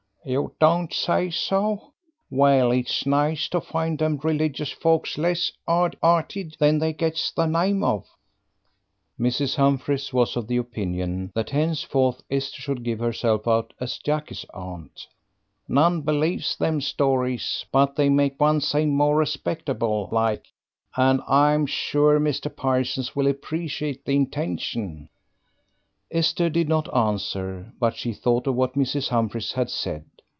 "You don't say so! Well, it is nice to find them religious folks less 'ard 'earted than they gets the name of." Mrs. Humphries was of the opinion that henceforth Esther should give herself out as Jackie's aunt. "None believes them stories, but they make one seem more respectable like, and I am sure Mr. Parsons will appreciate the intention." Esther did not answer, but she thought of what Mrs. Humphries had said.